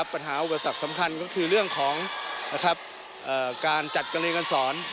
อุปสรรคสำคัญก็คือเรื่องของการจัดการเรียนการสอน